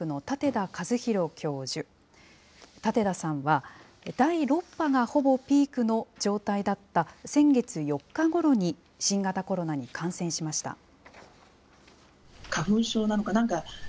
舘田さんは、第６波がほぼピークの状態だった、先月４日ごろに新型コロナに感染しました。